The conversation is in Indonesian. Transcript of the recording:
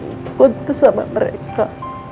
ikut bersama mereka